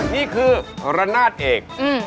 นี่คือระนาดเอก